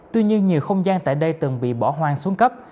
tuy nhiên nhiều không gian tại đây từng bị bỏ hoang xuống cấp